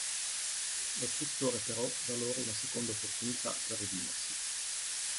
Lo scrittore però dà loro una seconda opportunità per redimersi.